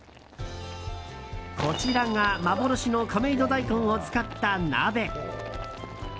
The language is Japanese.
こちらが幻の亀戸大根を使った鍋。